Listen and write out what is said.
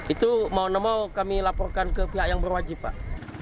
itu mau kami laporkan ke pihak yang berwajib pak